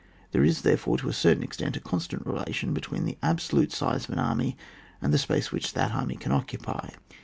There is, therefore, to a cei'tain extent, a constant relation betwewi the absolute size of an aiiny and the space which that army can occupy.